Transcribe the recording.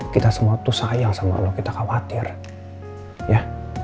kita semua tuh sayang sama allah kita khawatir ya